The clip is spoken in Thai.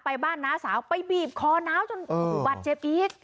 บ้านน้าสาวไปบีบคอน้าวจนบัตรเจ็บอีก